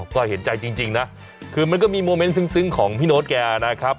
ก็เห็นใจจริงนะคือมันก็มีโมเมนต์ซึ้งของพี่โน๊ตแกนะครับ